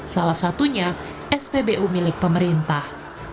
salah satunya spbu milik pemerintah